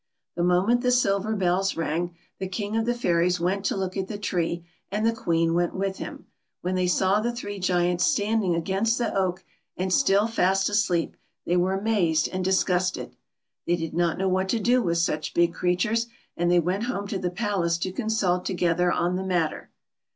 The moment the silver bells rang, the King of the Fairies went to look at the tree, and the Queen went with him. When they saw the three Giants standing against the oak, and still fast asleep, they were amazed and disgusted. They did not know what to do with such big creatures, and they went home to the palace to consult together on the matter.